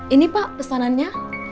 ini pak pesanannya